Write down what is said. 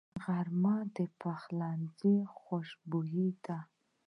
غرمه د پخلنځي خوشبويي ده